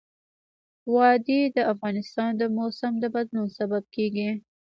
وادي د افغانستان د موسم د بدلون سبب کېږي.